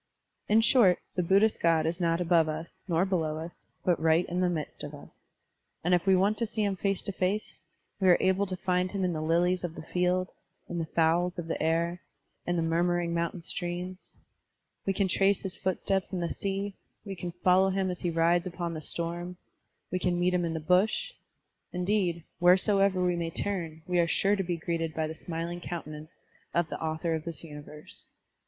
In short, the Buddhist God is not above us, nor below us, but right in the midst of us; and if we want to see him face to face, we are able to find him in the lilies of the field, in the fowls of the air, in the murmuring motmtain streams; we can trace his footsteps in the sea, we can follow him as he rides upon the storm; we can meet him in the bush; indeed, wheresoever we may turn, we are sure to be greeted by the smiling countenance of the author of this universe.